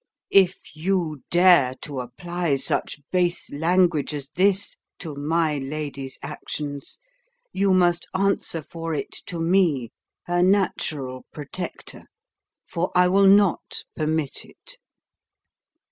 If you dare to apply such base language as this to my lady's actions, you must answer for it to me, her natural protector, for I will not permit it."